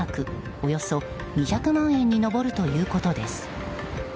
およそ２００万円に上るということです。